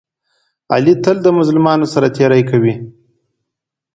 علي تل د مظلومانو سره تېری کوي.